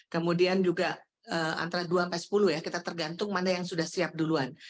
kemudian juga antara dua sampai sepuluh ya kita tergantung mana yang sudah siap duluan